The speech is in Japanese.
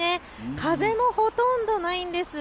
風もほとんどないんです。